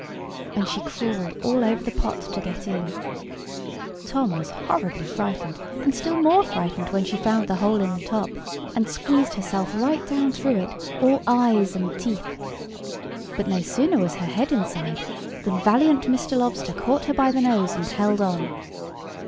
And she crawled all over the pot to get in. Tom was horribly frightened, and still more frightened when she found the hole in the top, and squeezed herself right down through it, all eyes and teeth. But no sooner was her head inside than valiant Mr. Lobster caught her by the nose and held on.